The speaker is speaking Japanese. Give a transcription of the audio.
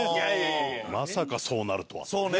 まさかそうなるとはっていう。